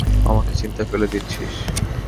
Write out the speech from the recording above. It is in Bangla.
আমাকে চিন্তায় ফেলে দিচ্ছিস।